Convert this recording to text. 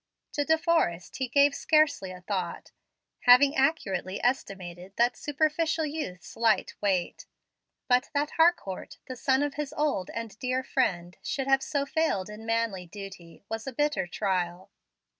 To De Forrest he gave scarcely a thought, having accurately estimated that superficial youth's light weight. But that Harcourt, the son of his old and dear friend, should have so failed in manly duty, was a bitter trial.